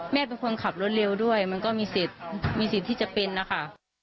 แม่เป็นคนขับรถเร็วด้วยมันก็มีเสียที่จะเป็นนะคะ